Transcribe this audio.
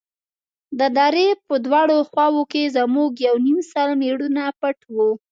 د درې په دواړو خواوو کښې زموږ يو يونيم سل مېړونه پټ وو.